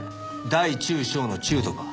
大中小の「中」とか。